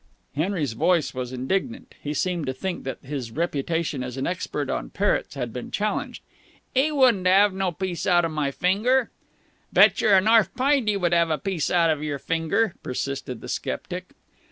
Henry's voice was indignant. He seemed to think that his reputation as an expert on parrots had been challenged. "'E wouldn't 'ave no piece out of my finger." "Bet yer a narf pint 'e would 'ave a piece out of yer finger," persisted the sceptic.